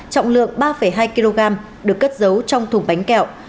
trọng lượng ba hai kg được cất giấu trong thùng bánh kẹo